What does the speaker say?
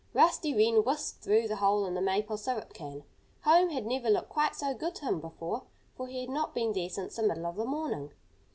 Rusty Wren whisked through the hole in the maple syrup can. Home had never looked quite so good to him before, for he had not been there since the middle of the morning.